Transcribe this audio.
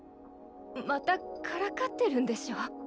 またからかってるんでしょ？